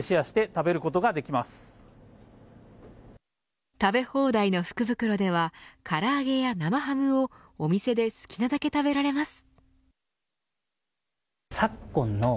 食べ放題の福袋では唐揚げや生ハムをお店で好きなだけ食べられます。